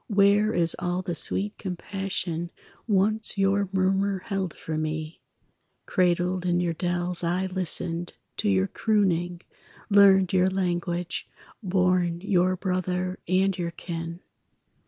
Where is all the sweet compassion Once your murmur held for me? Cradled in your dells, I listened To your crooning, learned your language, Born your brother and your kin.